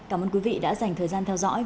cảm ơn quý vị đã dành thời gian theo dõi